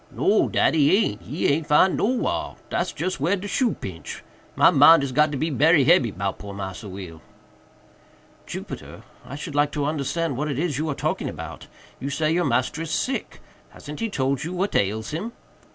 "No, dat he aint!—he aint 'fin'd nowhar—dat's just whar de shoe pinch—my mind is got to be berry hebby 'bout poor Massa Will." "Jupiter, I should like to understand what it is you are talking about. You say your master is sick. Hasn't he told you what ails him?"